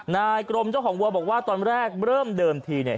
นายกรมเจ้าของวัวบอกว่าตอนแรกเริ่มเดิมทีเนี่ย